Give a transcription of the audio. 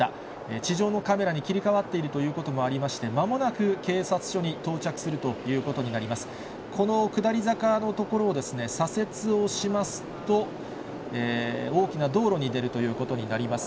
地上のカメラに切り替わっているということもありまして、まもなく警察署に到着するということになります。